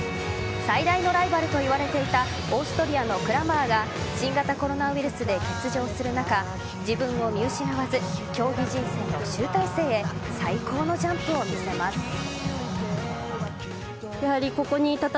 最大のライバルといわれていたオーストリアのクラマーが新型コロナウイルスで欠場する中自分を見失わず競技人生の集大成へ最高のジャンプを見せます。